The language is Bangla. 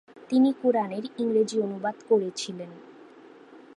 তিনি কুরআনের ইংরেজি অনুবাদ করেছিলেন।